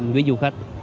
với du khách